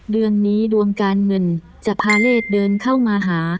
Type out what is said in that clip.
เดือนนี้ดวงการเงินจะพาเลศเดินเข้ามาหา